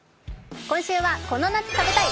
今週は「この夏食べたい！